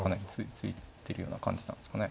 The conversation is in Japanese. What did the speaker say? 突いてるような感じなんですかね。